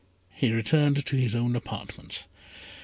He returned to his own apartments.